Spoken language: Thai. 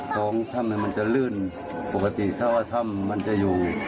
ท้องถ้ำมันจะลื่นปกติถ้าว่าถ้ำมันจะอยู่